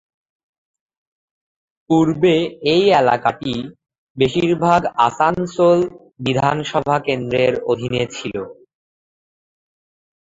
পূর্বে এই এলাকাটি বেশিরভাগ আসানসোল বিধানসভা কেন্দ্রের অধীনে ছিল।